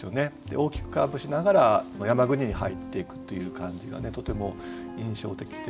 大きくカーブしながら山国に入っていくという感じがとても印象的で。